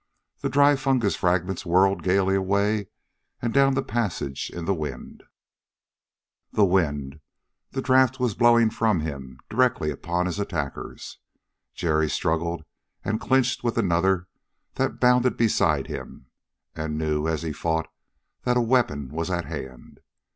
The dry fungus fragments whirled gaily away and down the passage in the wind. The wind! The draft was blowing from him, directly upon his attackers. Jerry struggled and clinched with another that bounded beside him, and knew as he fought that a weapon was at hand.